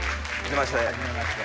はじめまして。